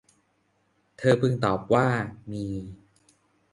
เธอพึงตอบว่า มี